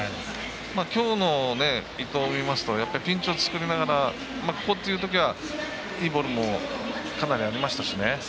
きょうの伊藤を見ますとピンチを作りながらここっていうときはいいボールもかなりありましたし。